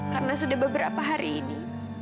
karena sudah beberapa hari